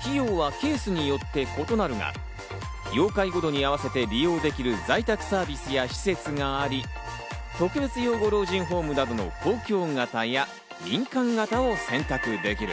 費用はケースによって異なるが、要介護度に合わせて利用できる在宅サービスや施設があり、特別養護老人ホームなどの公共型や民間型を選択できる。